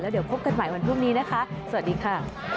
เดี๋ยวพบกันใหม่วันพรุ่งนี้นะคะสวัสดีค่ะ